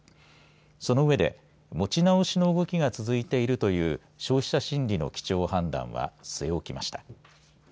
そのうえで持ち直しの動きが続いているという消費者心理の基調判断は据え置きました。